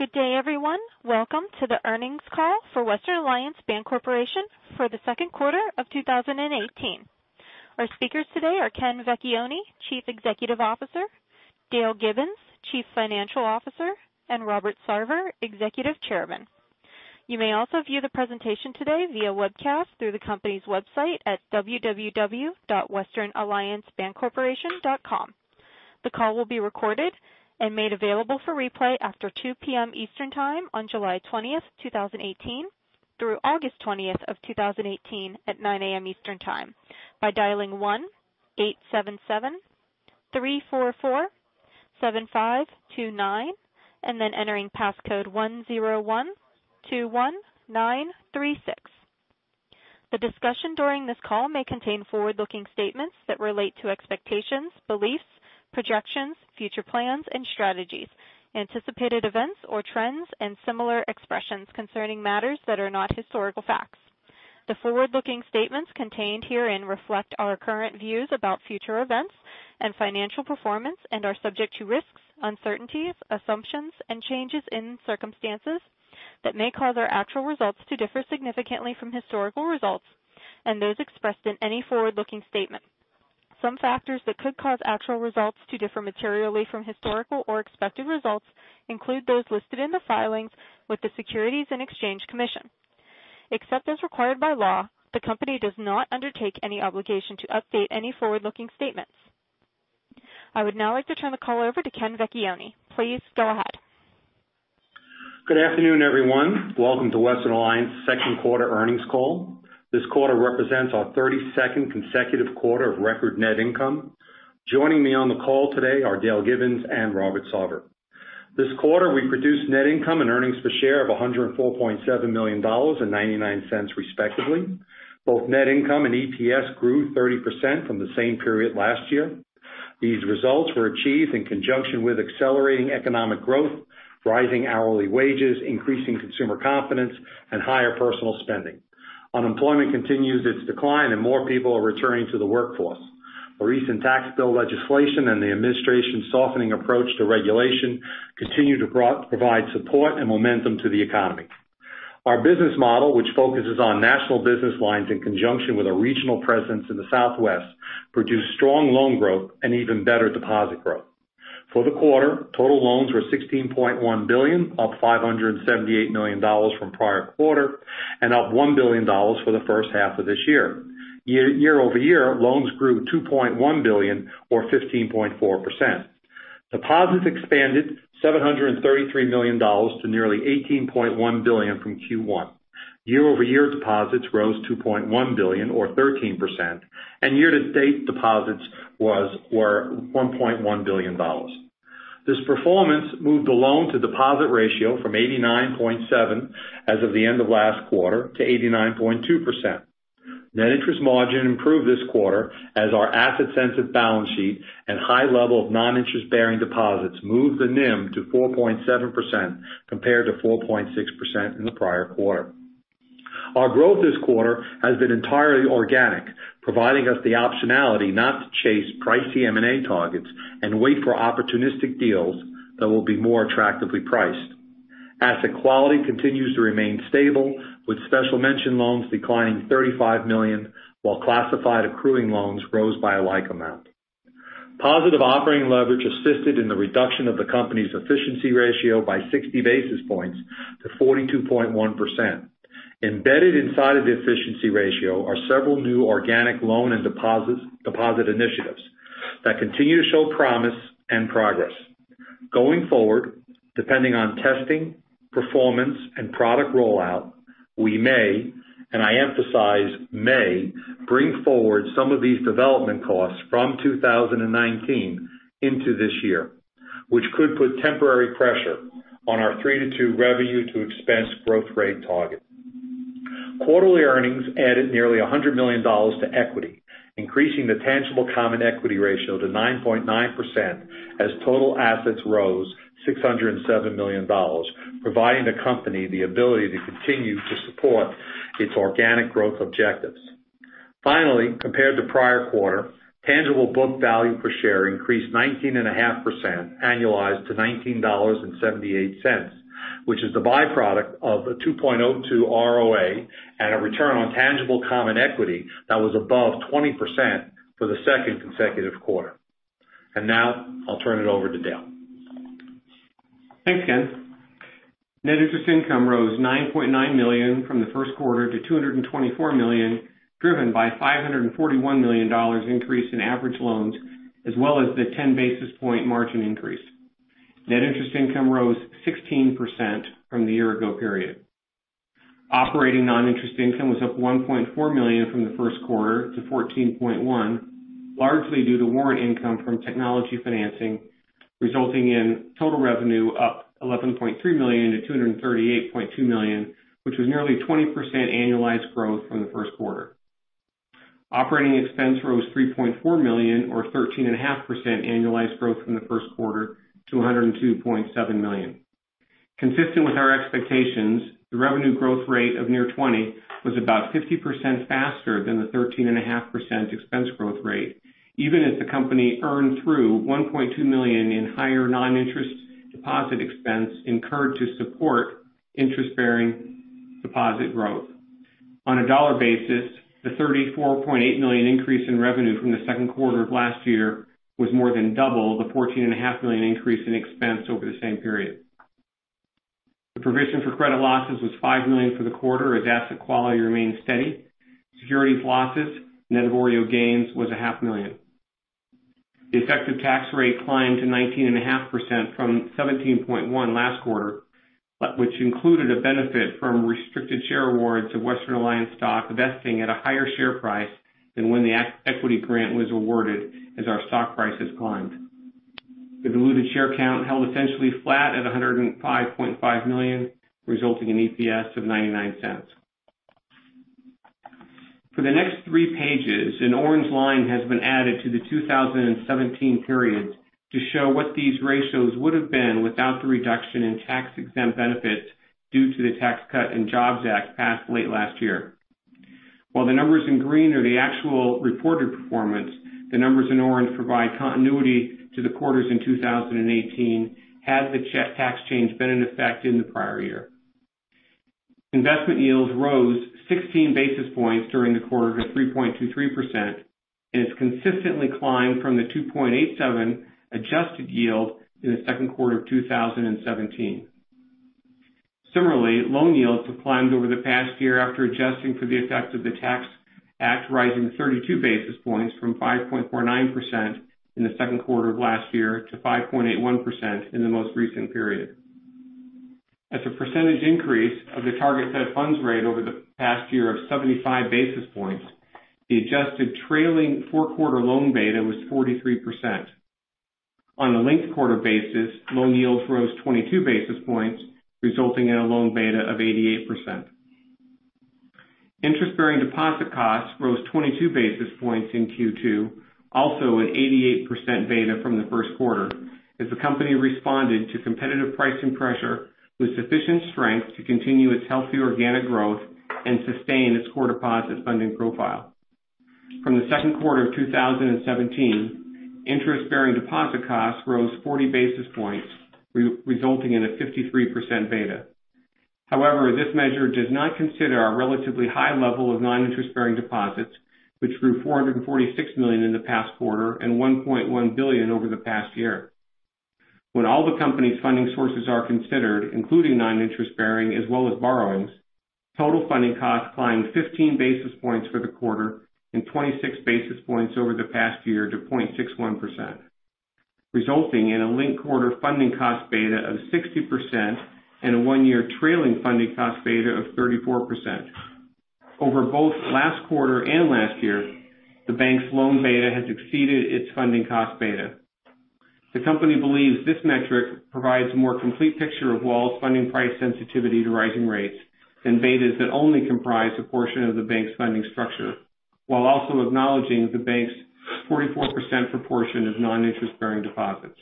Good day, everyone. Welcome to the earnings call for Western Alliance Bancorporation for the second quarter of 2018. Our speakers today are Ken Vecchione, Chief Executive Officer, Dale Gibbons, Chief Financial Officer, and Robert Sarver, Executive Chairman. You may also view the presentation today via webcast through the company's website at www.westernalliancebancorporation.com. The call will be recorded and made available for replay after 2:00 P.M. Eastern Time on July 20th, 2018, through August 20th of 2018 at 9:00 A.M. Eastern Time, by dialing 1-877-344-7529 and then entering passcode 10121936. The discussion during this call may contain forward-looking statements that relate to expectations, beliefs, projections, future plans and strategies, anticipated events or trends, and similar expressions concerning matters that are not historical facts. The forward-looking statements contained herein reflect our current views about future events and financial performance and are subject to risks, uncertainties, assumptions and changes in circumstances that may cause our actual results to differ significantly from historical results and those expressed in any forward-looking statement. Some factors that could cause actual results to differ materially from historical or expected results include those listed in the filings with the Securities and Exchange Commission. Except as required by law, the company does not undertake any obligation to update any forward-looking statements. I would now like to turn the call over to Ken Vecchione. Please go ahead. Good afternoon, everyone. Welcome to Western Alliance second quarter earnings call. This quarter represents our 32nd consecutive quarter of record net income. Joining me on the call today are Dale Gibbons and Robert Sarver. This quarter, we produced net income and earnings per share of $104.7 million and $0.99 respectively. Both net income and EPS grew 30% from the same period last year. These results were achieved in conjunction with accelerating economic growth, rising hourly wages, increasing consumer confidence, and higher personal spending. Unemployment continues its decline and more people are returning to the workforce. A recent tax bill legislation and the administration's softening approach to regulation continue to provide support and momentum to the economy. Our business model, which focuses on national business lines in conjunction with a regional presence in the Southwest, produced strong loan growth and even better deposit growth. For the quarter, total loans were $16.1 billion, up $578 million from prior quarter, and up $1 billion for the first half of this year. Year-over-year, loans grew $2.1 billion or 15.4%. Deposits expanded $733 million to nearly $18.1 billion from Q1. Year-over-year deposits rose $2.1 billion or 13%, and year-to-date deposits were $1.1 billion. This performance moved the loan to deposit ratio from 89.7% as of the end of last quarter to 89.2%. Net interest margin improved this quarter as our asset sensitive balance sheet and high level of non-interest bearing deposits moved the NIM to 4.7%, compared to 4.6% in the prior quarter. Our growth this quarter has been entirely organic, providing us the optionality not to chase pricey M&A targets and wait for opportunistic deals that will be more attractively priced. Asset quality continues to remain stable with special mention loans declining to $35 million while classified accruing loans rose by a like amount. Positive operating leverage assisted in the reduction of the company's efficiency ratio by 60 basis points to 42.1%. Embedded inside of the efficiency ratio are several new organic loan and deposit initiatives that continue to show promise and progress. Going forward, depending on testing, performance, and product rollout, we may, and I emphasize may, bring forward some of these development costs from 2019 into this year, which could put temporary pressure on our 3 to 2 revenue to expense growth rate target. Quarterly earnings added nearly $100 million to equity, increasing the tangible common equity ratio to 9.9% as total assets rose $607 million, providing the company the ability to continue to support its organic growth objectives. Compared to prior quarter, tangible book value per share increased 19.5% annualized to $19.78, which is the byproduct of a 2.02 ROA and a return on tangible common equity that was above 20% for the second consecutive quarter. Now I'll turn it over to Dale. Thanks, Ken. Net interest income rose $9.9 million from the first quarter to $224 million, driven by $541 million increase in average loans, as well as the 10 basis point margin increase. Net interest income rose 16% from the year-ago period. Operating non-interest income was up $1.4 million from the first quarter to $14.1 million, largely due to warrant income from technology financing, resulting in total revenue up $11.3 million to $238.2 million, which was nearly 20% annualized growth from the first quarter. Operating expense rose $3.4 million or 13.5% annualized growth from the first quarter to $102.7 million. Consistent with our expectations, the revenue growth rate of near 20% was about 50% faster than the 13.5% expense growth rate, even as the company earned through $1.2 million in higher non-interest deposit expense incurred to support interest bearing deposit growth. On a dollar basis, the $34.8 million increase in revenue from the second quarter of last year was more than double the $14.5 million increase in expense over the same period. The provision for credit losses was $5 million for the quarter as asset quality remained steady. Securities losses net of OREO gains was a half million. The effective tax rate climbed to 19.5% from 17.1% last quarter, which included a benefit from restricted share awards of Western Alliance stock vesting at a higher share price than when the equity grant was awarded as our stock prices climbed. The diluted share count held essentially flat at 105.5 million, resulting in EPS of $0.99. For the next three pages, an orange line has been added to the 2017 period to show what these ratios would've been without the reduction in tax-exempt benefits due to the Tax Cuts and Jobs Act passed late last year. While the numbers in green are the actual reported performance, the numbers in orange provide continuity to the quarters in 2018 had the tax change been in effect in the prior year. Investment yields rose 16 basis points during the quarter to 3.23%, and it's consistently climbed from the 2.87 adjusted yield in the second quarter of 2017. Similarly, loan yields have climbed over the past year after adjusting for the effects of the Tax Act, rising 32 basis points from 5.49% in the second quarter of last year to 5.81% in the most recent period. As a percentage increase of the target Fed funds rate over the past year of 75 basis points, the adjusted trailing four quarter loan beta was 43%. On a linked quarter basis, loan yields rose 22 basis points, resulting in a loan beta of 88%. Interest-bearing deposit costs rose 22 basis points in Q2, also an 88% beta from the first quarter, as the company responded to competitive pricing pressure with sufficient strength to continue its healthy organic growth and sustain its core deposit funding profile. From the second quarter of 2017, interest-bearing deposit costs rose 40 basis points, resulting in a 53% beta. However, this measure does not consider our relatively high level of non-interest-bearing deposits, which grew $446 million in the past quarter and $1.1 billion over the past year. When all the company's funding sources are considered, including non-interest-bearing as well as borrowings, total funding costs climbed 15 basis points for the quarter and 26 basis points over the past year to 0.61%, resulting in a linked-quarter funding cost beta of 60% and a one-year trailing funding cost beta of 34%. Over both last quarter and last year, the bank's loan beta has exceeded its funding cost beta. The company believes this metric provides a more complete picture of Western Alliance's funding price sensitivity to rising rates than betas that only comprise a portion of the bank's funding structure, while also acknowledging the bank's 44% proportion of non-interest-bearing deposits.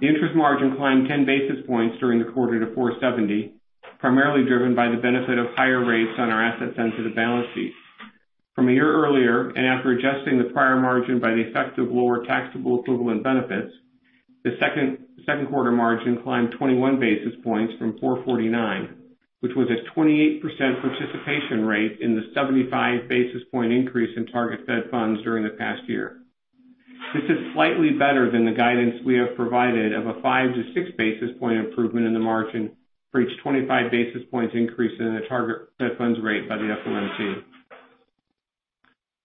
The interest margin climbed 10 basis points during the quarter to 470, primarily driven by the benefit of higher rates on our asset-sensitive balance sheet. From a year earlier, and after adjusting the prior margin by the effective lower taxable equivalent benefits, the second quarter margin climbed 21 basis points from 449, which was a 28% participation rate in the 75 basis point increase in target Fed funds during the past year. This is slightly better than the guidance we have provided of a five to six basis point improvement in the margin for each 25 basis points increase in the target Fed funds rate by the FOMC.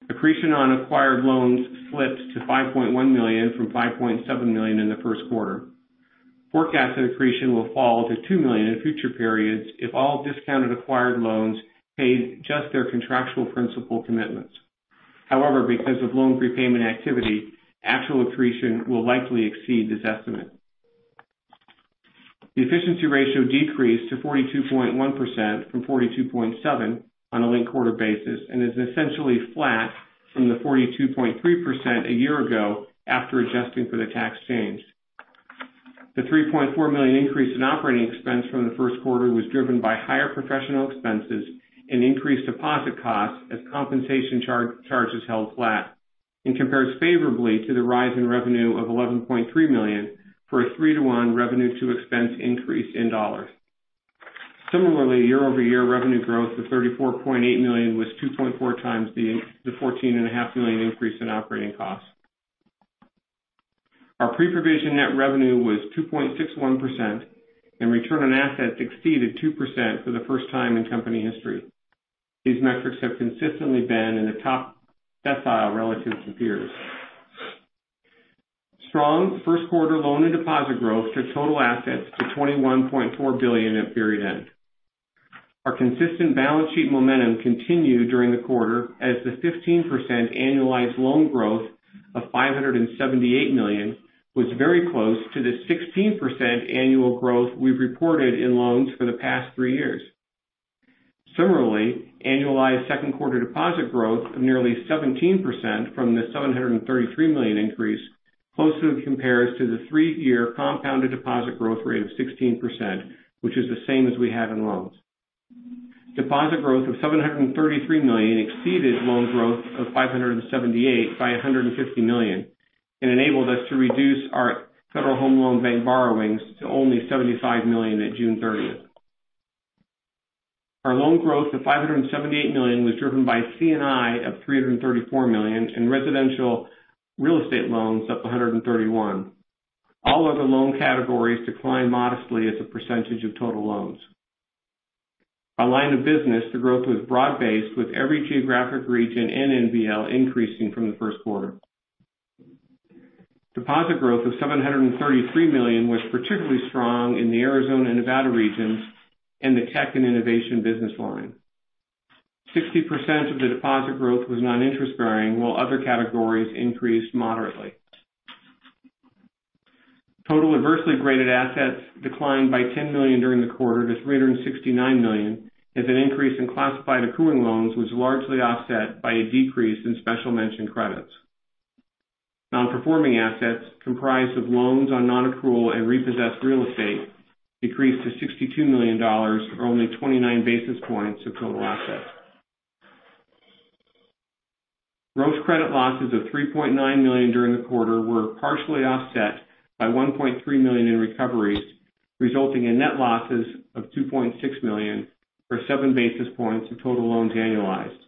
Accretion on acquired loans slipped to $5.1 million from $5.7 million in the first quarter. Forecast accretion will fall to $2 million in future periods if all discounted acquired loans paid just their contractual principal commitments. However, because of loan prepayment activity, actual accretion will likely exceed this estimate. The efficiency ratio decreased to 42.1% from 42.7% on a linked quarter basis and is essentially flat from the 42.3% a year ago after adjusting for the tax change. The $3.4 million increase in operating expense from the first quarter was driven by higher professional expenses and increased deposit costs as compensation charges held flat and compares favorably to the rise in revenue of $11.3 million for a 3 to 1 revenue to expense increase in dollars. Similarly, year-over-year revenue growth of $34.8 million was 2.4 times the $14.5 million increase in operating costs. Our pre-provision net revenue was 2.61%, and return on assets exceeded 2% for the first time in company history. These metrics have consistently been in the top decile relative to peers. Strong first quarter loan and deposit growth took total assets to $21.4 billion at period end. Our consistent balance sheet momentum continued during the quarter as the 15% annualized loan growth of $578 million was very close to the 16% annual growth we've reported in loans for the past 3 years. Similarly, annualized second quarter deposit growth of nearly 17% from the $733 million increase closely compares to the three-year compounded deposit growth rate of 16%, which is the same as we have in loans. Deposit growth of $733 million exceeded loan growth of $578 million by $150 million and enabled us to reduce our Federal Home Loan Bank borrowings to only $75 million at June 30th. Our loan growth of $578 million was driven by C&I of $334 million, and residential real estate loans up $131 million. All other loan categories declined modestly as a percentage of total loans. By line of business, the growth was broad-based with every geographic region and NBL increasing from the first quarter. Deposit growth of $733 million was particularly strong in the Arizona and Nevada regions and the tech and innovation business line. 60% of the deposit growth was non-interest-bearing, while other categories increased moderately. Total adversely graded assets declined by $10 million during the quarter to $369 million, as an increase in classified accruing loans was largely offset by a decrease in special mention credits. Non-performing assets, comprised of loans on non-accrual and repossessed real estate, decreased to $62 million, or only 29 basis points of total assets. Gross credit losses of $3.9 million during the quarter were partially offset by $1.3 million in recoveries, resulting in net losses of $2.6 million, or seven basis points of total loans annualized.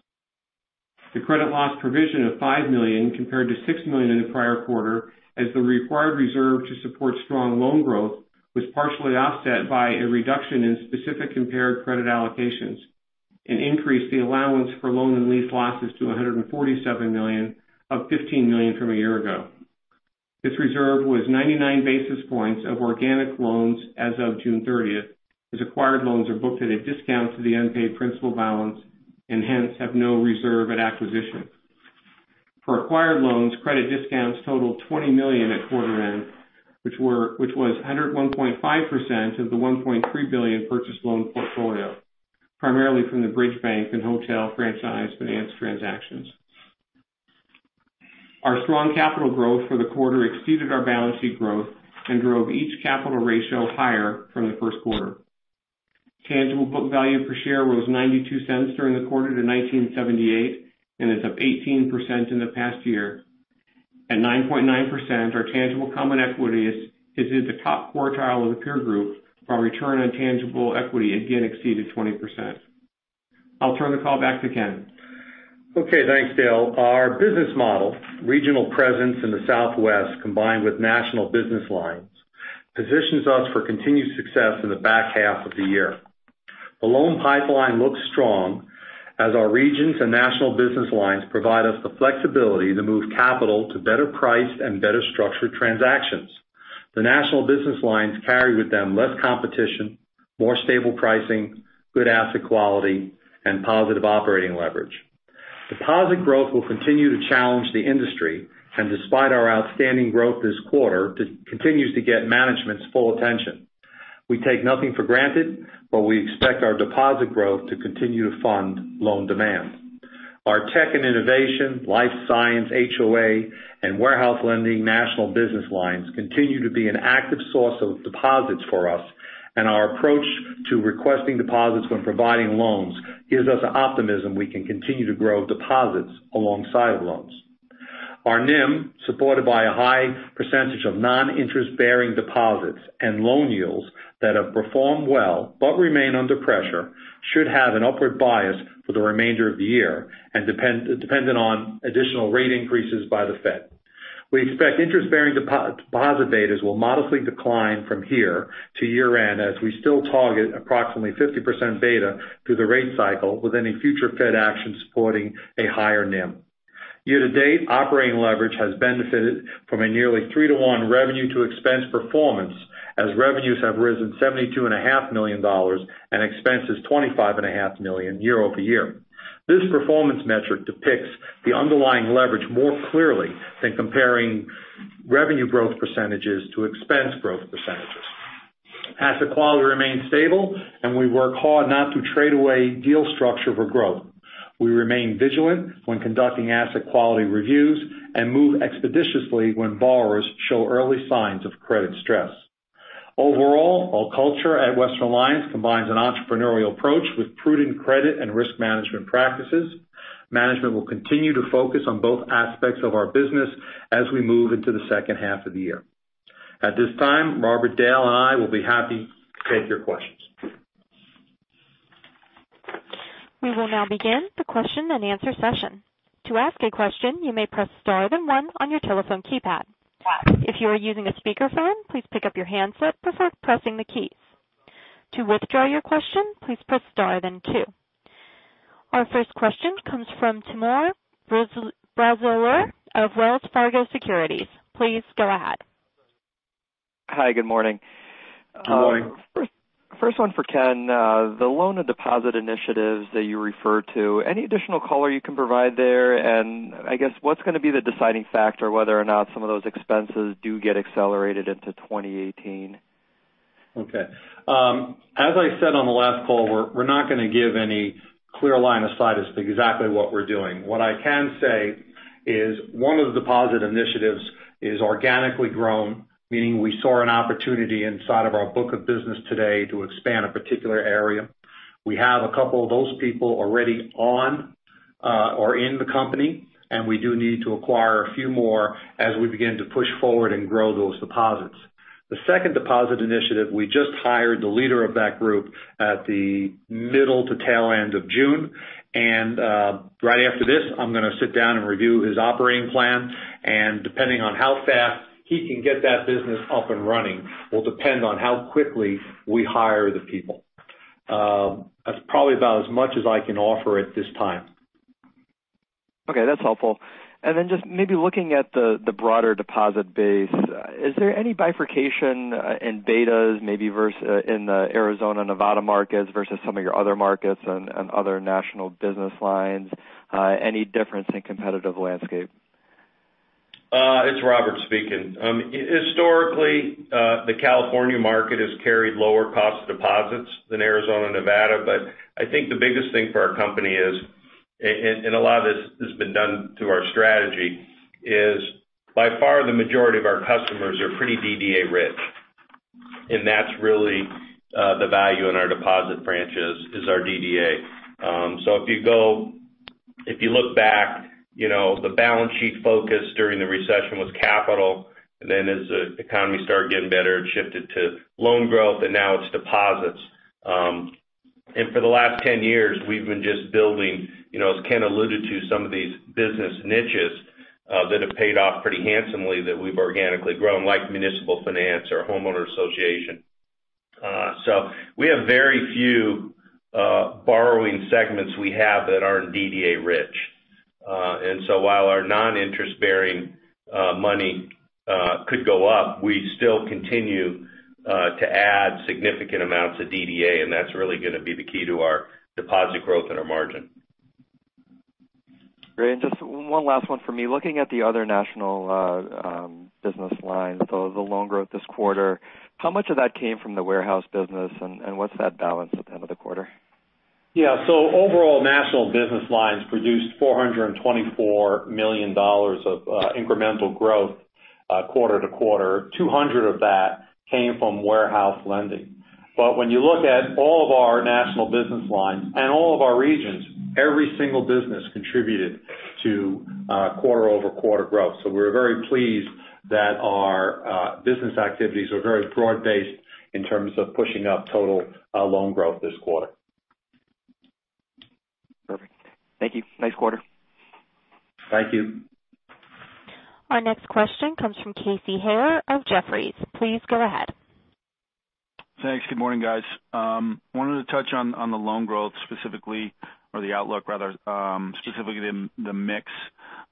The credit loss provision of $5 million compared to $6 million in the prior quarter, as the required reserve to support strong loan growth was partially offset by a reduction in specific compared credit allocations and increased the allowance for loan and lease losses to $147 million, up $15 million from a year ago. This reserve was 99 basis points of organic loans as of June 30th, as acquired loans are booked at a discount to the unpaid principal balance and hence have no reserve at acquisition. For acquired loans, credit discounts totaled $20 million at quarter end, which was 101.5% of the $1.3 billion purchased loan portfolio, primarily from the Bridge Bank and hotel franchise finance transactions. Our strong capital growth for the quarter exceeded our balance sheet growth and drove each capital ratio higher from the first quarter. Tangible book value per share rose $0.92 during the quarter to $19.78 and is up 18% in the past year. At 9.9%, our tangible common equity is in the top quartile of the peer group. Our return on tangible equity again exceeded 20%. I'll turn the call back to Ken. Okay. Thanks, Dale. Our business model, regional presence in the Southwest, combined with national business lines, positions us for continued success in the back half of the year. The loan pipeline looks strong as our regions and national business lines provide us the flexibility to move capital to better price and better structure transactions. The national business lines carry with them less competition, more stable pricing, good asset quality, and positive operating leverage. Deposit growth will continue to challenge the industry, and despite our outstanding growth this quarter, continues to get management's full attention. We take nothing for granted, but we expect our deposit growth to continue to fund loan demand. Our tech and innovation, Life Sciences, HOA, and warehouse lending national business lines continue to be an active source of deposits for us. Our approach to requesting deposits when providing loans gives us the optimism we can continue to grow deposits alongside loans. Our NIM, supported by a high percentage of non-interest-bearing deposits and loan yields that have performed well but remain under pressure, should have an upward bias for the remainder of the year and dependent on additional rate increases by the Fed. We expect interest-bearing deposit betas will modestly decline from here to year-end, as we still target approximately 50% beta through the rate cycle with any future Fed action supporting a higher NIM. Year to date, operating leverage has benefited from a nearly 3 to 1 revenue to expense performance as revenues have risen $72.5 million and expenses $25.5 million year-over-year. This performance metric depicts the underlying leverage more clearly than comparing revenue growth % to expense growth %. Asset quality remains stable, and we work hard not to trade away deal structure for growth. We remain vigilant when conducting asset quality reviews and move expeditiously when borrowers show early signs of credit stress. Overall, our culture at Western Alliance combines an entrepreneurial approach with prudent credit and risk management practices. Management will continue to focus on both aspects of our business as we move into the second half of the year. At this time, Robert, Dale, and I will be happy to take your questions. We will now begin the question and answer session. To ask a question, you may press star then one on your telephone keypad. If you are using a speakerphone, please pick up your handset before pressing the keys. To withdraw your question, please press star then two. Our first question comes from Timur Braziler of Wells Fargo Securities. Please go ahead. Hi. Good morning. Good morning. First one for Ken. The loan and deposit initiatives that you referred to, any additional color you can provide there? I guess what's going to be the deciding factor whether or not some of those expenses do get accelerated into 2018? Okay. As I said on the last call, we're not going to give any clear line of sight as to exactly what we're doing. What I can say is one of the deposit initiatives is organically grown, meaning we saw an opportunity inside of our book of business today to expand a particular area. We have a couple of those people already on or in the company, and we do need to acquire a few more as we begin to push forward and grow those deposits. The second deposit initiative, we just hired the leader of that group at the middle to tail end of June. Right after this, I'm going to sit down and review his operating plan, and depending on how fast he can get that business up and running will depend on how quickly we hire the people. That's probably about as much as I can offer at this time. Okay, that's helpful. Then just maybe looking at the broader deposit base, is there any bifurcation in betas, maybe in the Arizona, Nevada markets versus some of your other markets and other national business lines? Any difference in competitive landscape? It's Robert speaking. Historically, the California market has carried lower cost deposits than Arizona and Nevada. I think the biggest thing for our company is, and a lot of this has been done through our strategy is, by far the majority of our customers are pretty DDA rich. That's really the value in our deposit branches, is our DDA. If you look back, the balance sheet focus during the recession was capital. As the economy started getting better, it shifted to loan growth, and now it's deposits. For the last 10 years, we've been just building, as Ken alluded to, some of these business niches that have paid off pretty handsomely that we've organically grown, like municipal finance or homeowner association. We have very few borrowing segments we have that aren't DDA rich. While our non-interest bearing money could go up, we still continue to add significant amounts of DDA, and that's really going to be the key to our deposit growth and our margin. Great. Just one last one for me. Looking at the other national business lines, the loan growth this quarter, how much of that came from the warehouse business and what's that balance at the end of the quarter? Overall, national business lines produced $424 million of incremental growth quarter-to-quarter. 200 of that came from warehouse lending. When you look at all of our national business lines and all of our regions, every single business contributed to quarter-over-quarter growth. We're very pleased that our business activities are very broad-based in terms of pushing up total loan growth this quarter. Perfect. Thank you. Nice quarter. Thank you. Our next question comes from Casey Haire of Jefferies. Please go ahead. Thanks. Good morning, guys. Wanted to touch on the loan growth specifically or the outlook rather, specifically the mix.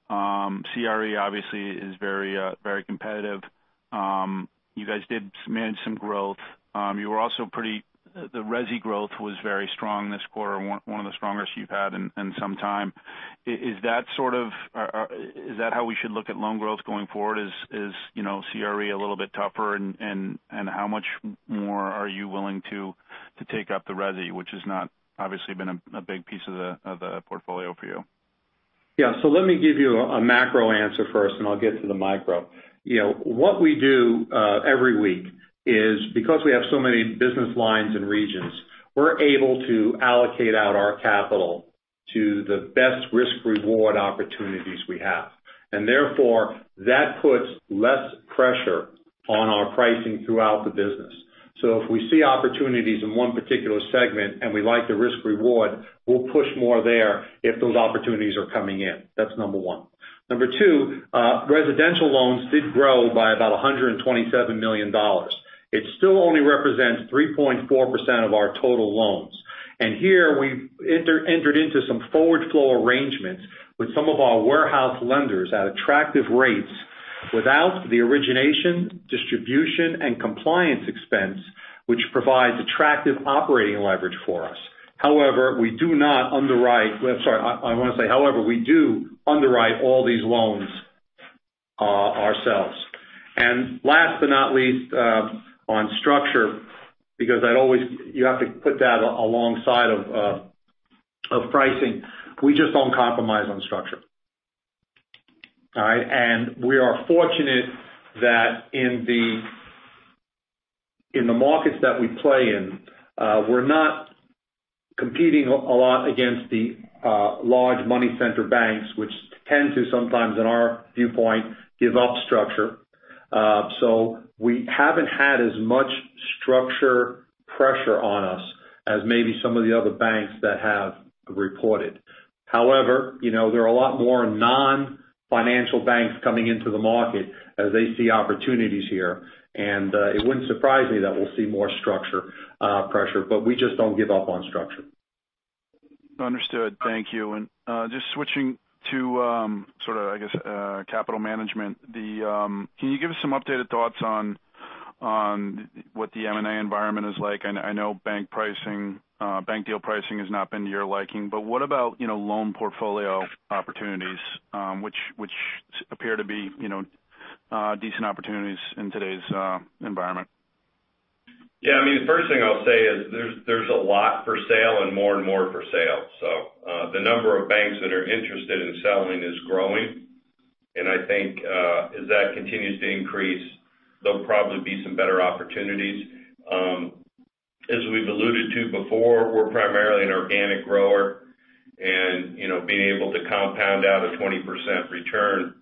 CRE obviously is very competitive. You guys did manage some growth. The resi growth was very strong this quarter, one of the strongest you've had in some time. Is that how we should look at loan growth going forward? Is CRE a little bit tougher and how much more are you willing to take up the resi, which has not obviously been a big piece of the portfolio for you? Yeah. Let me give you a macro answer first, and I'll get to the micro. What we do every week is because we have so many business lines and regions, we're able to allocate out our capital to the best risk reward opportunities we have. Therefore, that puts less pressure on our pricing throughout the business. If we see opportunities in one particular segment and we like the risk reward, we'll push more there if those opportunities are coming in. That's number 1. Number 2, residential loans did grow by about $127 million. It still only represents 3.4% of our total loans. Here we've entered into some forward flow arrangements with some of our warehouse lenders at attractive rates without the origination, distribution, and compliance expense, which provides attractive operating leverage for us. However, we do underwrite all these loans ourselves. Last but not least, on structure, because you have to put that alongside of pricing. We just don't compromise on structure. All right? We are fortunate that in the markets that we play in, we're not competing a lot against the large money center banks, which tend to sometimes, in our viewpoint, give up structure. We haven't had as much structure pressure on us as maybe some of the other banks that have reported. However, there are a lot more non-financial banks coming into the market as they see opportunities here. It wouldn't surprise me that we'll see more structure pressure, but we just don't give up on structure. Understood. Thank you. Just switching to sort of, I guess, capital management. Can you give us some updated thoughts on what the M&A environment is like? I know bank deal pricing has not been to your liking, but what about loan portfolio opportunities, which appear to be decent opportunities in today's environment? Yeah. The first thing I'll say is there's a lot for sale and more and more for sale. The number of banks that are interested in selling is growing. I think as that continues to increase, there'll probably be some better opportunities. As we've alluded to before, we're primarily an organic grower and being able to compound out a 20% return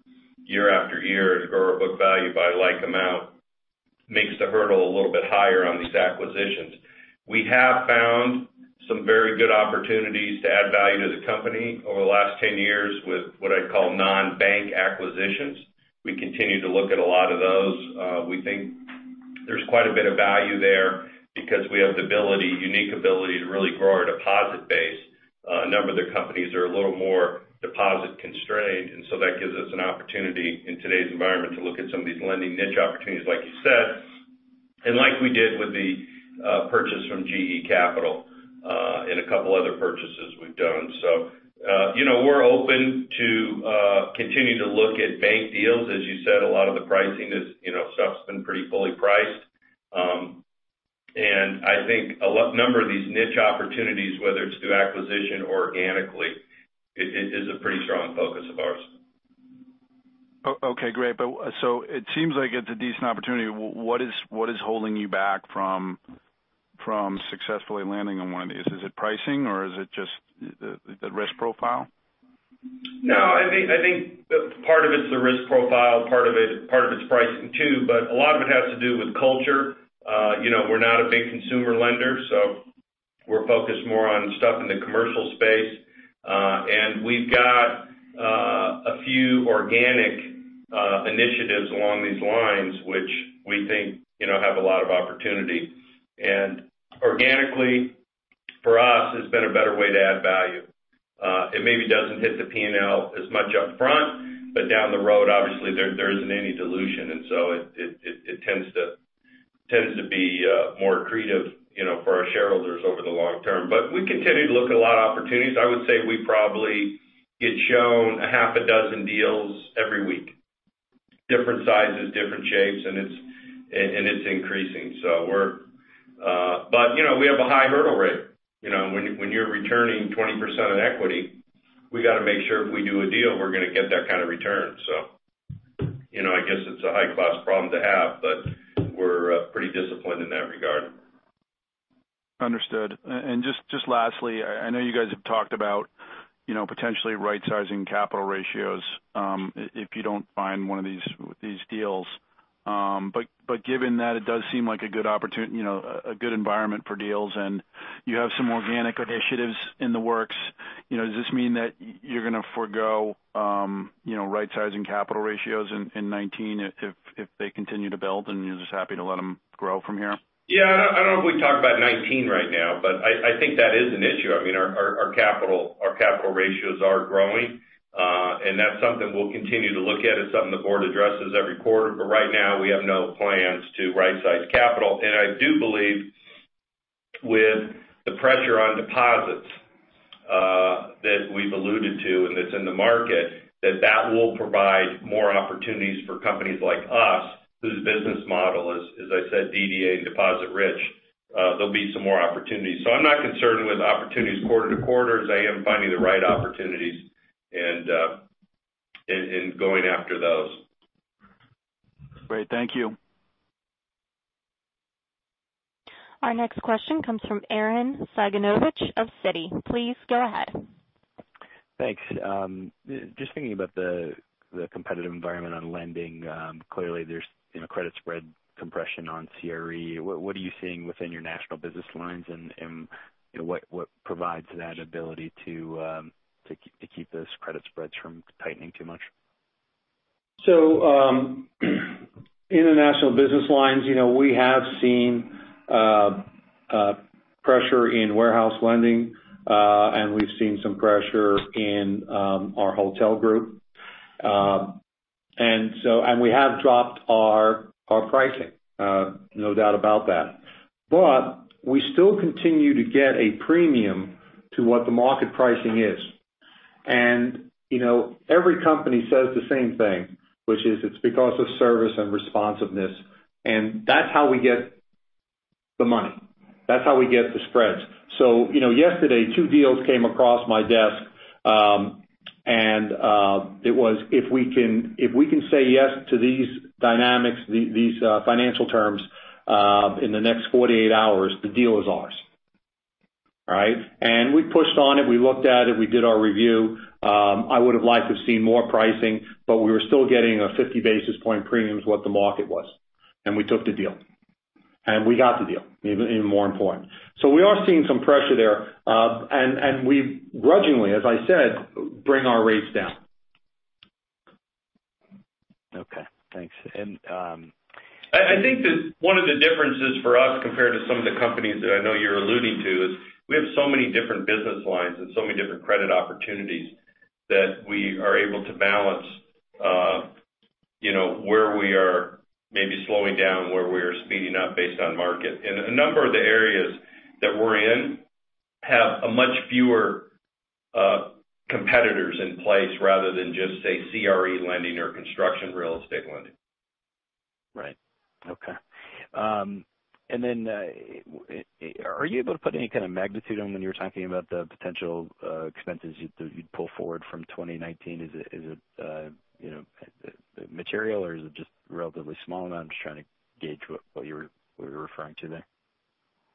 year after year to grow our book value by like amount makes the hurdle a little bit higher on these acquisitions. We have found some very good opportunities to add value to the company over the last 10 years with what I'd call non-bank acquisitions. We continue to look at a lot of those. We think there's quite a bit of value there because we have the ability, unique ability, to really grow our deposit base. A number of the companies are a little more deposit constrained. That gives us an opportunity in today's environment to look at some of these lending niche opportunities, like you said, and like we did with the purchase from GE Capital, and a couple other purchases we've done. We're open to continue to look at bank deals. As you said, a lot of the pricing, stuff's been pretty fully priced. I think a number of these niche opportunities, whether it's through acquisition organically, it is a pretty strong focus of ours. Okay, great. It seems like it's a decent opportunity. What is holding you back from successfully landing on one of these? Is it pricing or is it just the risk profile? No, I think part of it's the risk profile, part of it's pricing too, but a lot of it has to do with culture. We're not a big consumer lender, so we're focused more on stuff in the commercial space. We've got a few organic initiatives along these lines, which we think have a lot of opportunity. Organically, for us, has been a better way to add value. It maybe doesn't hit the P&L as much up front, but down the road, obviously, there isn't any dilution, and so it tends to be more accretive for our shareholders over the long term. We continue to look at a lot of opportunities. I would say we probably get shown a half a dozen deals every week. Different sizes, different shapes, and it's increasing. We have a high hurdle rate. When you're returning 20% on equity, we got to make sure if we do a deal, we're going to get that kind of return. I guess it's a high-cost problem to have, but we're pretty disciplined in that regard. Just lastly, I know you guys have talked about potentially right-sizing capital ratios, if you don't find one of these deals. Given that it does seem like a good opportunity, a good environment for deals and you have some organic initiatives in the works, does this mean that you're going to forego right-sizing capital ratios in 2019 if they continue to build and you're just happy to let them grow from here? Yeah, I don't know if we talked about 2019 right now, I think that is an issue. Our capital ratios are growing. That's something we'll continue to look at. It's something the board addresses every quarter. Right now, we have no plans to right-size capital. I do believe with the pressure on deposits that we've alluded to and that's in the market, that that will provide more opportunities for companies like us whose business model is, as I said, DDA and deposit rich. There'll be some more opportunities. I'm not concerned with opportunities quarter to quarter as I am finding the right opportunities and going after those. Great. Thank you. Our next question comes from Aaron Saganowicz of Citi. Please go ahead. Thanks. Just thinking about the competitive environment on lending. Clearly, there's credit spread compression on CRE. What are you seeing within your national business lines and what provides that ability to keep those credit spreads from tightening too much? In the national business lines, we have seen pressure in warehouse lending, and we've seen some pressure in our hotel group. We have dropped our pricing, no doubt about that. We still continue to get a premium to what the market pricing is. Every company says the same thing, which is it's because of service and responsiveness, and that's how we get the money. That's how we get the spreads. Yesterday two deals came across my desk, it was if we can say yes to these dynamics, these financial terms, in the next 48 hours, the deal is ours. All right? We pushed on it. We looked at it. We did our review. I would have liked to have seen more pricing, but we were still getting a 50 basis point premium is what the market was. We took the deal. We got the deal, even more important. We are seeing some pressure there. We grudgingly, as I said, bring our rates down. Okay, thanks. I think that one of the differences for us compared to some of the companies that I know you're alluding to is we have so many different business lines and so many different credit opportunities that we are able to balance where we are maybe slowing down, where we are speeding up based on market. A number of the areas that we're in have a much fewer competitors in place rather than just say, CRE lending or construction real estate lending. Right. Okay. Are you able to put any kind of magnitude on when you were talking about the potential expenses you'd pull forward from 2019? Is it material or is it just relatively small amount? I'm just trying to gauge what you were referring to there.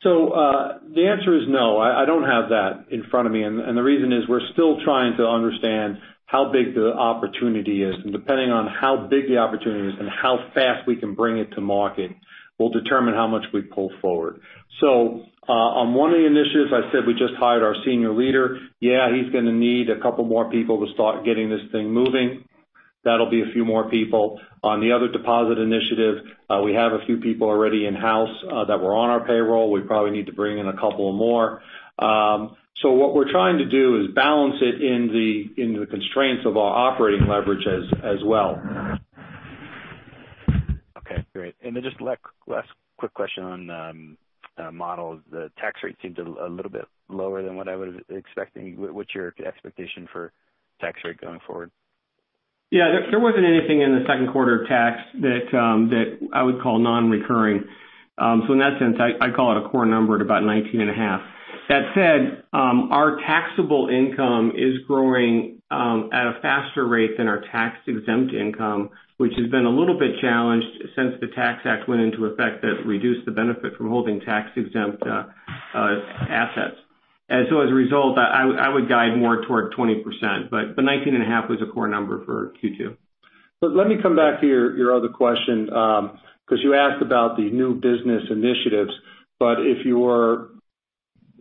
The answer is no. I don't have that in front of me. The reason is we're still trying to understand how big the opportunity is. Depending on how big the opportunity is and how fast we can bring it to market will determine how much we pull forward. On one of the initiatives, I said we just hired our senior leader. Yeah, he's going to need a couple more people to start getting this thing moving. That'll be a few more people. On the other deposit initiative, we have a few people already in-house that were on our payroll. We probably need to bring in a couple more. What we're trying to do is balance it in the constraints of our operating leverage as well. Okay, great. Just last quick question on models. The tax rate seems a little bit lower than what I was expecting. What's your expectation for tax rate going forward? There wasn't anything in the second quarter tax that I would call non-recurring. In that sense, I call it a core number at about 19.5%. That said, our taxable income is growing at a faster rate than our tax-exempt income, which has been a little bit challenged since the Tax Act went into effect that reduced the benefit from holding tax-exempt assets. As a result, I would guide more toward 20%, but the 19.5% was a core number for Q2. Let me come back to your other question because you asked about the new business initiatives, if you are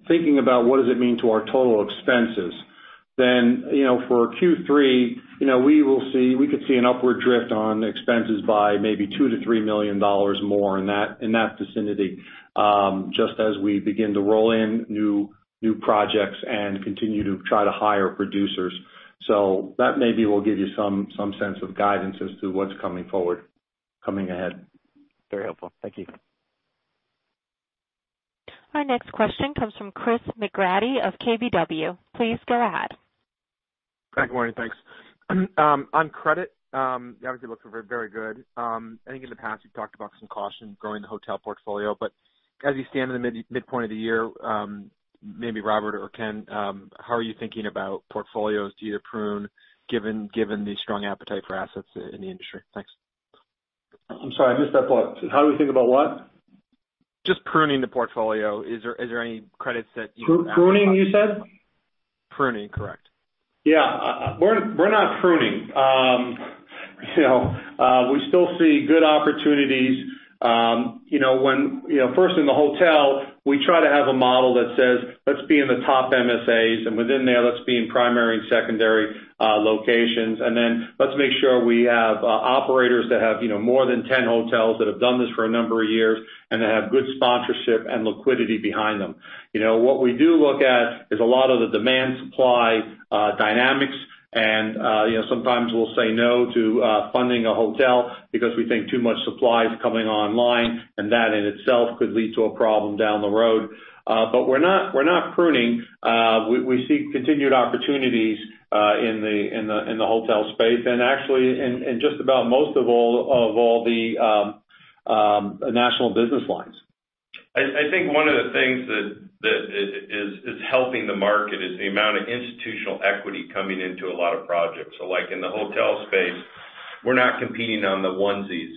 thinking about what does it mean to our total expenses, for Q3, we could see an upward drift on expenses by maybe $2 million-$3 million more in that vicinity, just as we begin to roll in new projects and continue to try to hire producers. That maybe will give you some sense of guidance as to what's coming forward, coming ahead. Very helpful. Thank you. Our next question comes from Chris McGratty of KBW. Please go ahead. Good morning. Thanks. On credit, obviously it looks very good. I think in the past you've talked about some caution growing the hotel portfolio, but as you stand in the midpoint of the year, maybe Robert or Ken, how are you thinking about portfolios to either prune given the strong appetite for assets in the industry? Thanks. I'm sorry, I missed that part. How do we think about what? Just pruning the portfolio. Is there any credits that you- Pruning, you said? Pruning, correct. Yeah. We're not pruning. We still see good opportunities. First in the hotel, we try to have a model that says, let's be in the top MSAs, and within there, let's be in primary and secondary locations, then let's make sure we have operators that have more than 10 hotels that have done this for a number of years and that have good sponsorship and liquidity behind them. What we do look at is a lot of the demand-supply dynamics, sometimes we'll say no to funding a hotel because we think too much supply is coming online, and that in itself could lead to a problem down the road. We're not pruning. We see continued opportunities in the hotel space and actually in just about most of all the national business lines. I think one of the things that is helping the market is the amount of institutional equity coming into a lot of projects. Like in the hotel space, we're not competing on the onesies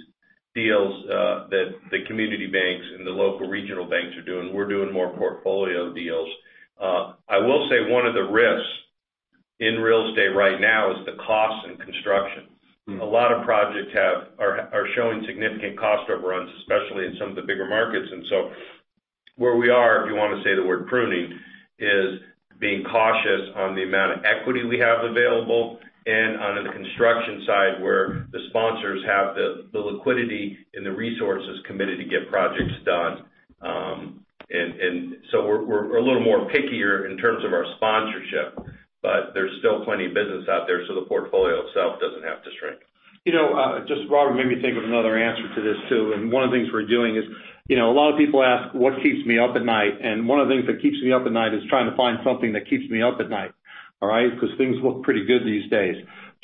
deals that the community banks and the local regional banks are doing. We're doing more portfolio deals. I will say one of the risks in real estate right now is the cost in construction. A lot of projects are showing significant cost overruns, especially in some of the bigger markets. Where we are, if you want to say the word pruning, is being cautious on the amount of equity we have available and on the construction side, where the sponsors have the liquidity and the resources committed to get projects done. We're a little more pickier in terms of our sponsorship, there's still plenty of business out there, so the portfolio itself doesn't have to shrink. Robert made me think of another answer to this, too, one of the things we're doing is a lot of people ask what keeps me up at night, and one of the things that keeps me up at night is trying to find something that keeps me up at night. All right? Things look pretty good these days.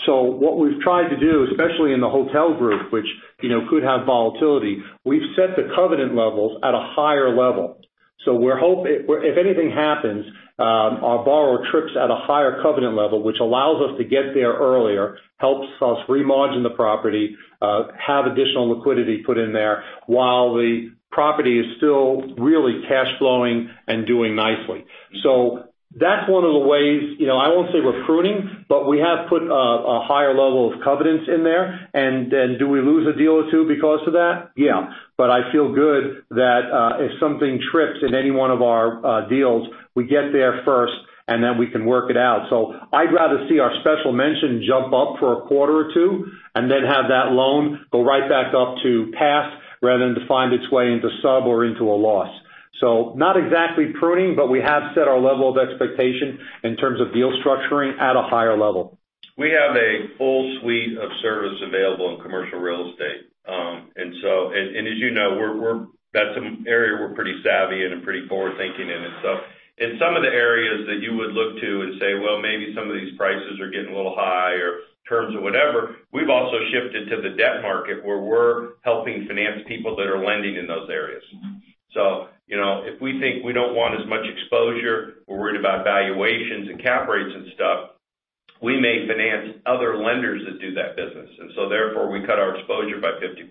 What we've tried to do, especially in the hotel group, which could have volatility, we've set the covenant levels at a higher level. If anything happens, our borrower trips at a higher covenant level, which allows us to get there earlier, helps us remargin the property, have additional liquidity put in there while the property is still really cash flowing and doing nicely. That's one of the ways. I won't say we're pruning, but we have put a higher level of covenants in there. Do we lose a deal or two because of that? Yeah. I feel good that if something trips in any one of our deals, we get there first and then we can work it out. I'd rather see our special mention jump up for a quarter or two and then have that loan go right back up to pass rather than to find its way into sub or into a loss. Not exactly pruning, but we have set our level of expectation in terms of deal structuring at a higher level. We have a full suite of service available in commercial real estate. As you know, that's an area we're pretty savvy in and pretty forward-thinking in. In some of the areas that you would look to and say, "Well, maybe some of these prices are getting a little high," or terms or whatever, we've also shifted to the debt market where we're helping finance people that are lending in those areas. If we think we don't want as much exposure, we're worried about valuations and cap rates and stuff, we may finance other lenders that do that business. Therefore, we cut our exposure by 50%.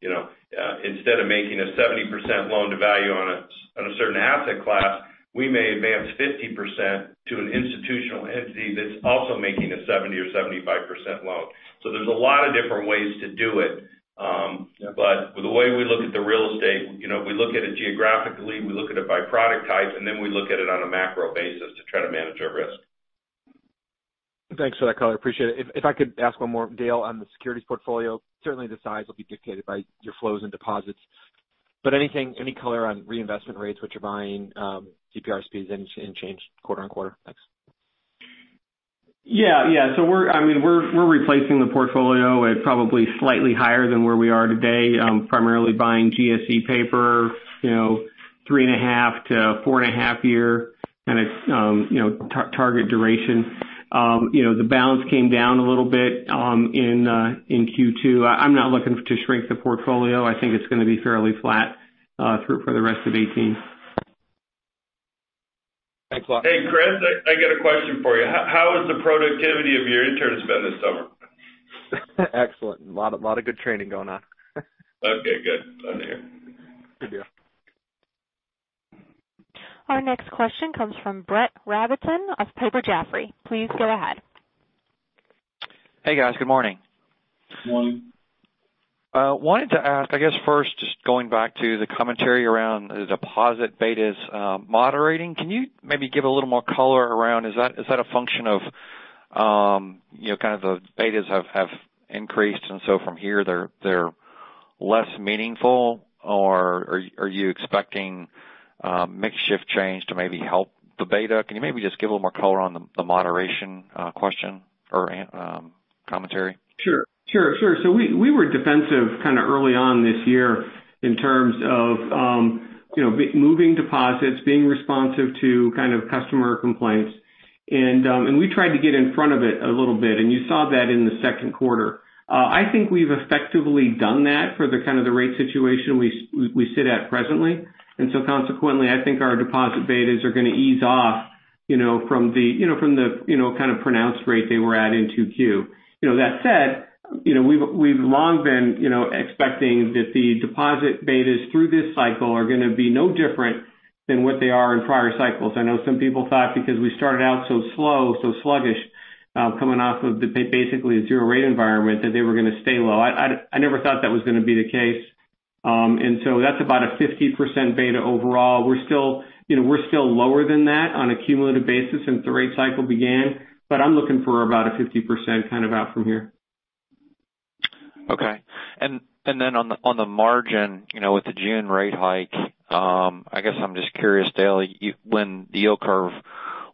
Instead of making a 70% loan to value on a certain asset class, we may advance 50% to an institutional entity that's also making a 70% or 75% loan. There's a lot of different ways to do it. The way we look at the real estate, we look at it geographically, we look at it by product type, we look at it on a macro basis to try to manage our risk. Thanks for that color. I appreciate it. If I could ask one more, Dale, on the securities portfolio. Certainly the size will be dictated by your flows and deposits, but any color on reinvestment rates, what you're buying, CPR speeds and change quarter-on-quarter? Thanks. Yeah. We're replacing the portfolio at probably slightly higher than where we are today. Primarily buying GSE paper, three and a half to four and a half year kind of target duration. The balance came down a little bit in Q2. I'm not looking to shrink the portfolio. I think it's going to be fairly flat through for the rest of 2018. Thanks a lot. Hey, Chris, I got a question for you. How has the productivity of your interns been this summer? Excellent. A lot of good training going on. Okay, good. Glad to hear. Good deal. Our next question comes from Brett Rabatin of Piper Jaffray. Please go ahead. Hey, guys. Good morning. Morning. Wanted to ask, I guess first, just going back to the commentary around the deposit betas moderating. Can you maybe give a little more color around, is that a function of kind of the betas have increased and so from here they're less meaningful? Or are you expecting mix shift change to maybe help the beta? Can you maybe just give a little more color on the moderation question or commentary? Sure. We were defensive kind of early on this year in terms of moving deposits, being responsive to kind of customer complaints. We tried to get in front of it a little bit, and you saw that in the second quarter. I think we've effectively done that for the kind of the rate situation we sit at presently. Consequently, I think our deposit betas are going to ease off from the kind of pronounced rate they were at in 2Q. That said, we've long been expecting that the deposit betas through this cycle are going to be no different than what they are in prior cycles. I know some people thought because we started out so slow, so sluggish, coming off of basically a zero rate environment, that they were going to stay low. I never thought that was going to be the case. That's about a 50% beta overall. We're still lower than that on a cumulative basis since the rate cycle began, but I'm looking for about a 50% kind of out from here. Okay. On the margin, with the June rate hike, I guess I'm just curious, Dale, when the yield curve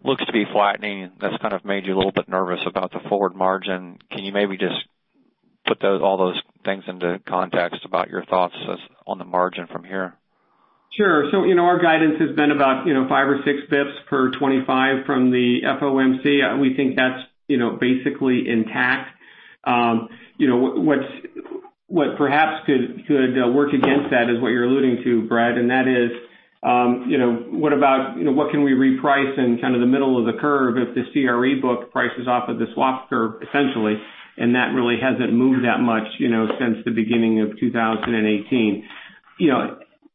looks to be flattening, that's kind of made you a little bit nervous about the forward margin. Can you maybe just put all those things into context about your thoughts on the margin from here? Sure. Our guidance has been about five or six basis points per 25 from the FOMC. We think that's basically intact. What perhaps could work against that is what you're alluding to, Brett, that is, what can we reprice in kind of the middle of the curve if the CRE book prices off of the swap curve essentially, that really hasn't moved that much since the beginning of 2018.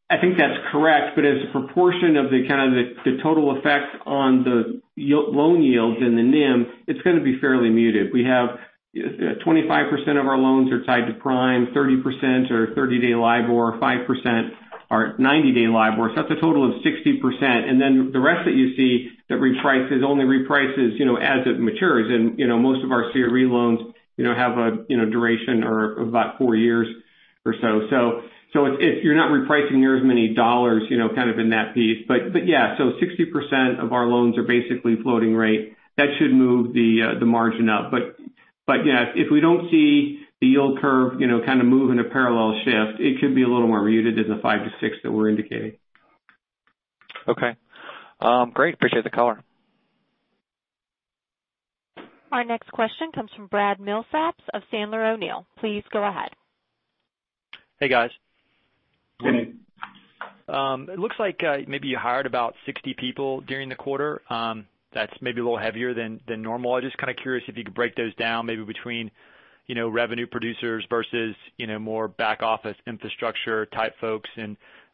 I think that's correct, but as a proportion of the kind of the total effect on the loan yields and the NIM, it's going to be fairly muted. We have 25% of our loans are tied to prime, 30% are 30-day LIBOR, 5% are 90-day LIBOR, so that's a total of 60%. The rest that you see that reprices only reprices as it matures. Most of our CRE loans have a duration or about four years or so. You're not repricing near as many dollars kind of in that piece. 60% of our loans are basically floating rate. That should move the margin up. If we don't see the yield curve kind of move in a parallel shift, it could be a little more muted than the five to six that we're indicating. Okay. Great. Appreciate the color. Our next question comes from Brad Milsaps of Sandler O'Neill. Please go ahead. Hey, guys. Good day. It looks like maybe you hired about 60 people during the quarter. That's maybe a little heavier than normal. I'm just kind of curious if you could break those down maybe between revenue producers versus more back office infrastructure type folks.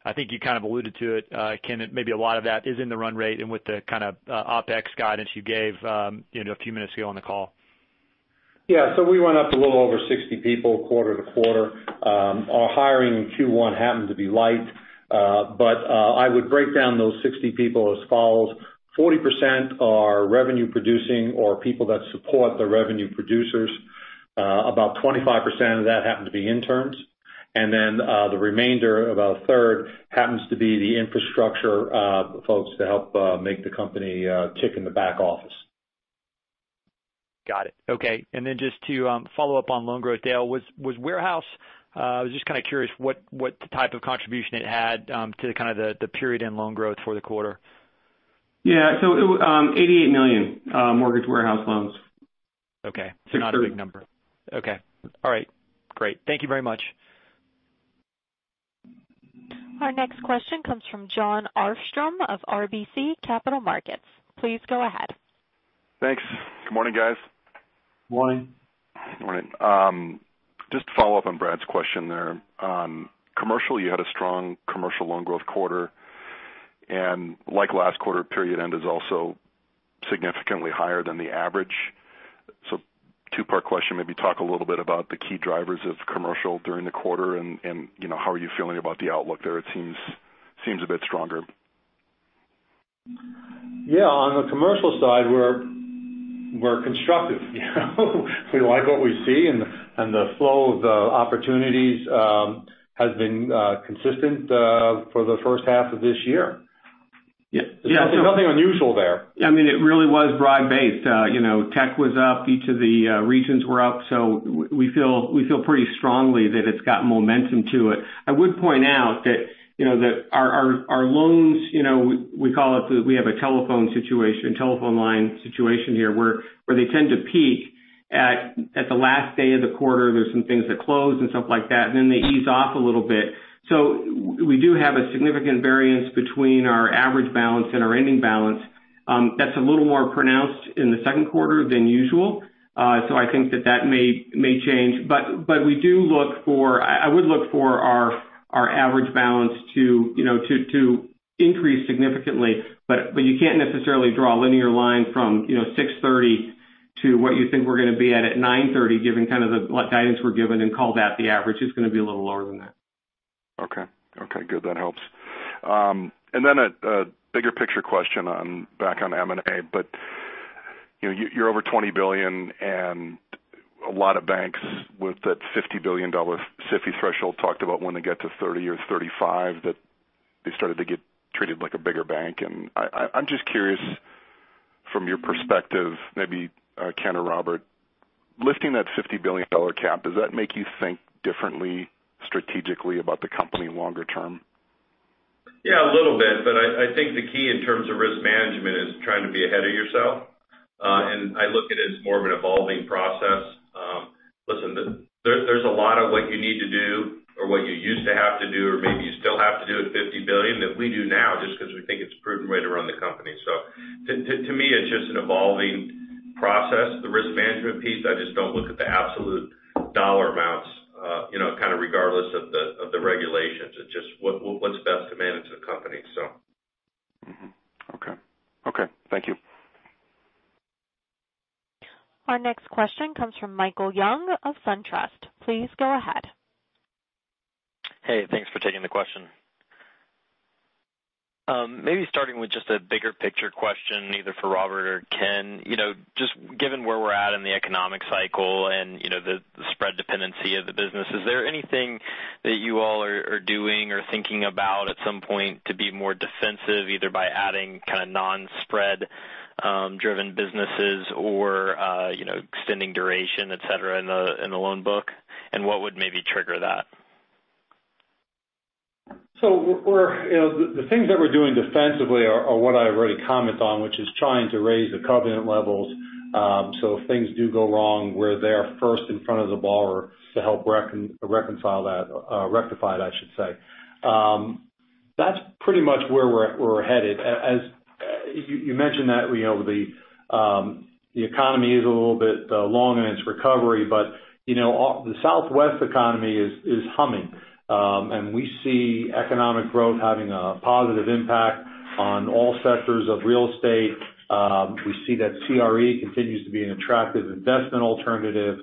I think you kind of alluded to it, Ken, that maybe a lot of that is in the run rate and with the kind of OpEx guidance you gave a few minutes ago on the call. Yeah. We went up a little over 60 people quarter-to-quarter. Our hiring in Q1 happened to be light. I would break down those 60 people as follows: 40% are revenue producing or people that support the revenue producers. About 25% of that happen to be interns. The remainder, about a third, happens to be the infrastructure folks to help make the company tick in the back office. Got it. Okay. Just to follow up on loan growth, Dale, I was just kind of curious what type of contribution it had to the period and loan growth for the quarter. Yeah. $88 million mortgage warehouse loans. Okay. Not a big number. Okay. All right. Great. Thank you very much. Our next question comes from Jon Arfstrom of RBC Capital Markets. Please go ahead. Thanks. Good morning, guys. Morning. Morning. Just to follow up on Brad's question there. Commercial, you had a strong commercial loan growth quarter, and like last quarter, period end is also significantly higher than the average. Two-part question, maybe talk a little bit about the key drivers of commercial during the quarter and how are you feeling about the outlook there? It seems a bit stronger. On the commercial side, we're constructive. We like what we see, and the flow of the opportunities has been consistent for the first half of this year. Yeah. Nothing unusual there. I mean, it really was broad-based. Tech was up, each of the regions were up. We feel pretty strongly that it's got momentum to it. I would point out that our loans, we have a telephone line situation here where they tend to peak at the last day of the quarter. There's some things that close and stuff like that, and then they ease off a little bit. We do have a significant variance between our average balance and our ending balance. That's a little more pronounced in the second quarter than usual. I think that that may change. I would look for our average balance to increase significantly. You can't necessarily draw a linear line from 630 to what you think we're going to be at at 930, given what guidance we're given, and call that the average. It's going to be a little lower than that. Okay. Good, that helps. A bigger picture question back on M&A, you're over $20 billion, a lot of banks with that $50 billion SIFI threshold talked about when they get to 30 or 35, that they started to get treated like a bigger bank. I'm just curious from your perspective, maybe Ken or Robert, lifting that $50 billion cap, does that make you think differently strategically about the company longer term? Yeah, a little bit, I think the key in terms of risk management is trying to be ahead of yourself. I look at it as more of an evolving process. Listen, there's a lot of what you need to do or what you used to have to do, or maybe you still have to do at $50 billion that we do now just because we think it's a prudent way to run the company. To me, it's just an evolving process, the risk management piece. I just don't look at the absolute dollar amounts, kind of regardless of the regulations. It's just what's best to manage the company, so. Mm-hmm. Okay. Thank you. Our next question comes from Michael Young of SunTrust. Please go ahead. Hey, thanks for taking the question. Maybe starting with just a bigger picture question, either for Robert or Ken. Just given where we're at in the economic cycle and the spread dependency of the business, is there anything that you all are doing or thinking about at some point to be more defensive, either by adding kind of non-spread driven businesses or extending duration, et cetera, in the loan book? What would maybe trigger that? The things that we're doing defensively are what I already commented on, which is trying to raise the covenant levels so if things do go wrong, we're there first in front of the borrower to help rectify that. That's pretty much where we're headed. As you mentioned that the economy is a little bit long in its recovery, but the Southwest economy is humming. We see economic growth having a positive impact on all sectors of real estate. We see that CRE continues to be an attractive investment alternative.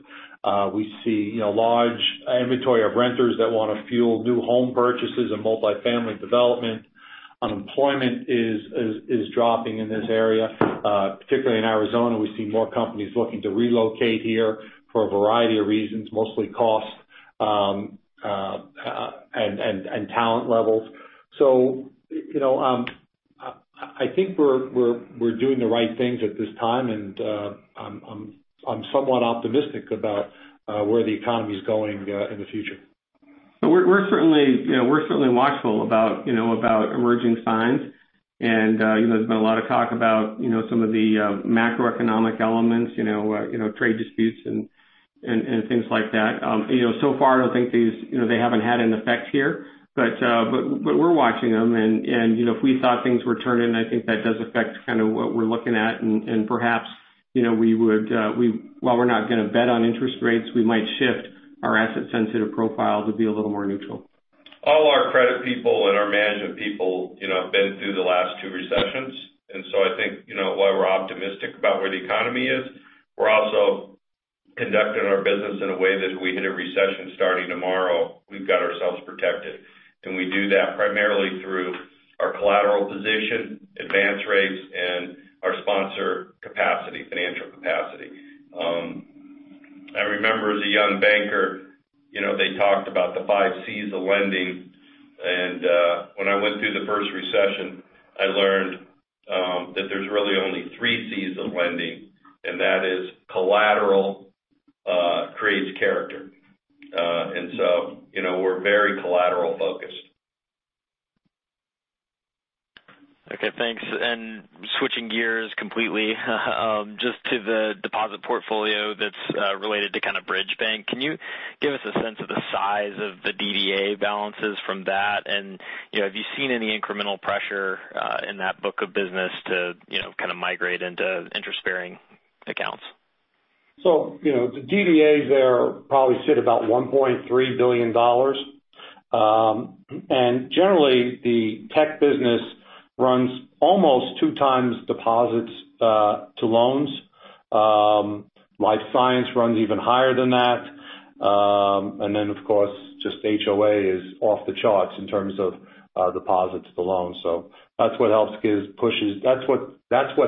We see a large inventory of renters that want to fuel new home purchases and multifamily development. Unemployment is dropping in this area. Particularly in Arizona, we see more companies looking to relocate here for a variety of reasons, mostly cost and talent levels. I think we're doing the right things at this time, and I'm somewhat optimistic about where the economy's going in the future. We're certainly watchful about emerging signs, and there's been a lot of talk about some of the macroeconomic elements, trade disputes and things like that. Far, I don't think they haven't had an effect here, but we're watching them and if we thought things were turning, I think that does affect kind of what we're looking at. Perhaps while we're not going to bet on interest rates, we might shift our asset-sensitive profile to be a little more neutral. All our credit people and our management people have been through the last two recessions. I think, while we're optimistic about where the economy is, we're also conducting our business in a way that if we hit a recession starting tomorrow, we've got ourselves protected. We do that primarily through our collateral position, advance rates, and our sponsor capacity, financial capacity. I remember as a young banker, they talked about the five Cs of lending, when I went through the first recession, I learned that there's really only three Cs of lending. That is collateral creates character. We're very collateral-focused. Okay, thanks. Switching gears completely just to the deposit portfolio that's related to kind of Bridge Bank. Can you give us a sense of the size of the DDA balances from that? Have you seen any incremental pressure in that book of business to kind of migrate into interest-bearing accounts? The DDAs there probably sit about $1.3 billion. Generally, the tech business runs almost two times deposits to loans. Life science runs even higher than that. Of course, just HOA is off the charts in terms of deposits to loans. That's what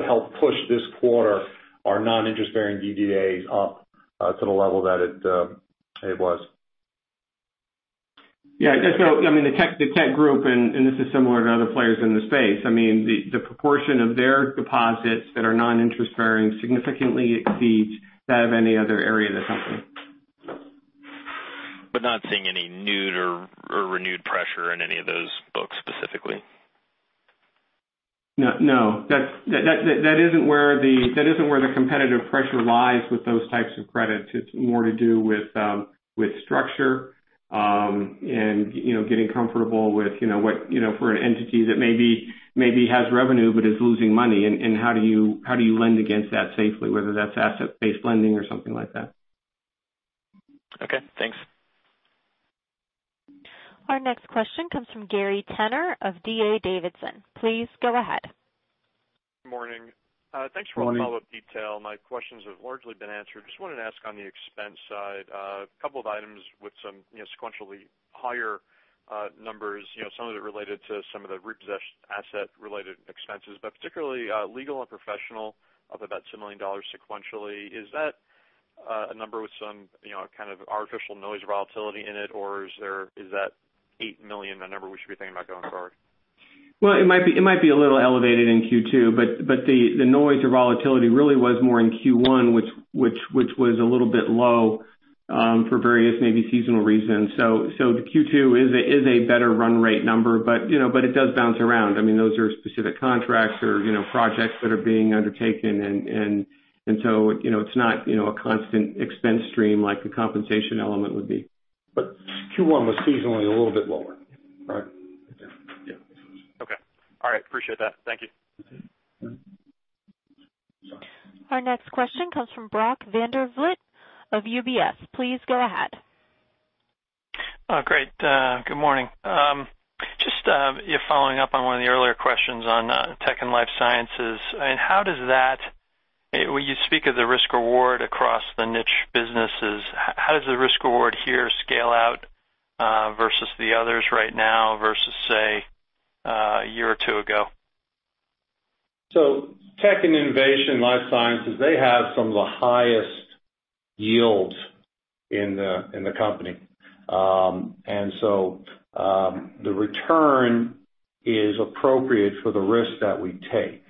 helped push this quarter our non-interest-bearing DDAs up to the level that it was. The tech group, this is similar to other players in the space. The proportion of their deposits that are non-interest-bearing significantly exceeds that of any other area of the company. Not seeing any new or renewed pressure in any of those books specifically. No. That isn't where the competitive pressure lies with those types of credits. It's more to do with structure and getting comfortable with for an entity that maybe has revenue but is losing money, and how do you lend against that safely, whether that's asset-based lending or something like that. Okay, thanks. Our next question comes from Gary Tenner of D.A. Davidson. Please go ahead. Good morning. Morning. Thanks for all the follow-up detail. My questions have largely been answered. Just wanted to ask on the expense side, a couple of items with some sequentially higher numbers, some of it related to some of the repossessed asset-related expenses, but particularly legal and professional, up about $10 million sequentially. Is that a number with some kind of artificial noise or volatility in it, or is that $8 million the number we should be thinking about going forward? Well, it might be a little elevated in Q2, but the noise or volatility really was more in Q1, which was a little bit low for various, maybe seasonal reasons. The Q2 is a better run rate number. It does bounce around. Those are specific contracts or projects that are being undertaken and so it's not a constant expense stream like the compensation element would be. Q1 was seasonally a little bit lower. Right. Yeah. Okay. All right. Appreciate that. Thank you. Our next question comes from Brock Vander Vliet of UBS. Please go ahead. Great. Good morning. Just following up on one of the earlier questions on tech and life sciences. When you speak of the risk-reward across the niche businesses, how does the risk-reward here scale out versus the others right now versus, say, a year or two ago? Tech and innovation, life sciences, they have some of the highest yields in the company. The return is appropriate for the risk that we take.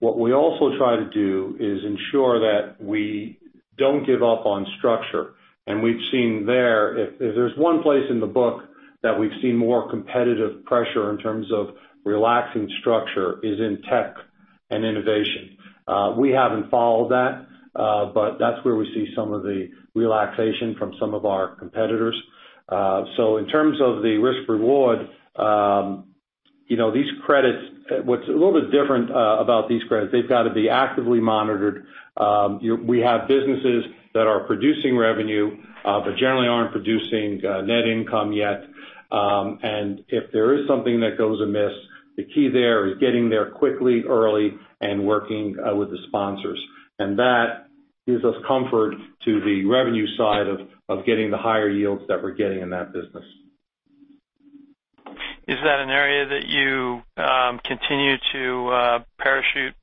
What we also try to do is ensure that we don't give up on structure. We've seen there, if there's one place in the book that we've seen more competitive pressure in terms of relaxing structure is in tech and innovation. We haven't followed that, but that's where we see some of the relaxation from some of our competitors. In terms of the risk-reward, what's a little bit different about these credits, they've got to be actively monitored. We have businesses that are producing revenue but generally aren't producing net income yet. If there is something that goes amiss, the key there is getting there quickly, early, and working with the sponsors. That gives us comfort to the revenue side of getting the higher yields that we're getting in that business. Is that an area that you continue to parachute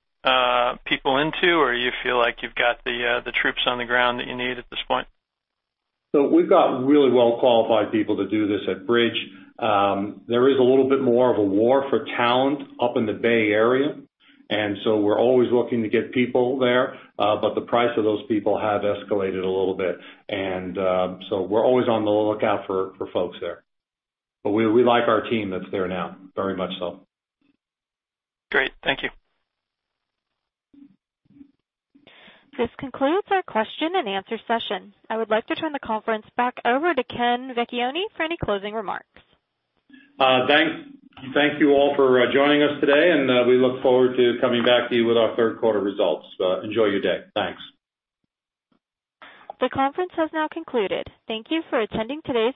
people into, or you feel like you've got the troops on the ground that you need at this point? We've got really well-qualified people to do this at Bridge. There is a little bit more of a war for talent up in the Bay Area, we're always looking to get people there. The price of those people have escalated a little bit. We're always on the lookout for folks there. We like our team that's there now, very much so. Great. Thank you. This concludes our question and answer session. I would like to turn the conference back over to Ken Vecchione for any closing remarks. Thank you all for joining us today. We look forward to coming back to you with our third quarter results. Enjoy your day. Thanks. The conference has now concluded. Thank you for attending today's call.